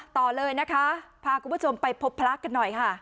ต่อเลยนะคะพาคุณผู้ชมไปพบพระกันหน่อยค่ะ